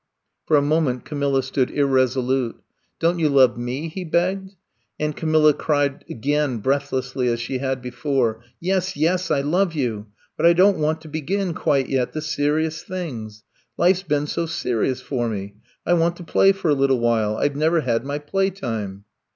'' For a moment Camilla stood irresolute. Don 't you love me T ' he begged. And Camilla cried again breathlessly, as she had before : Yes — yes! I love you — ^but I don't want to begin, quite yet, the serious things. Life 's been so serious for me. I want to play for a little while. I 've never had my playtime.